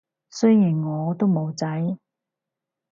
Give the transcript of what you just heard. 雖然我都冇仔